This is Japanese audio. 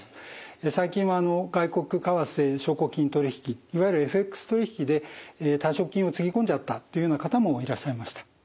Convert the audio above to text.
最近は外国為替証拠金取引いわゆるＦＸ取引で退職金をつぎ込んじゃったというような方もいらっしゃいました。